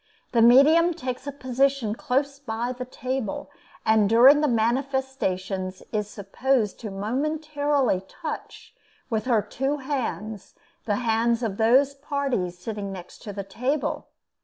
The medium takes a position close by the table, and during the manifestations is supposed to momentarily touch with her two hands the hands of those parties sitting next to the table.